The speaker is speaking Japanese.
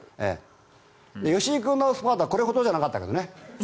吉居君のスパートはこれほどじゃなかったけどね。